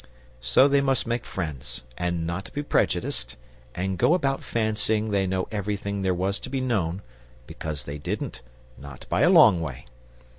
So they must make friends, and not be prejudiced and go about fancying they knew everything there was to be known, because they didn't, not by a long way.